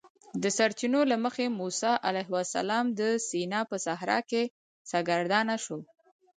د سرچینو له مخې موسی علیه السلام د سینا په صحرا کې سرګردانه شو.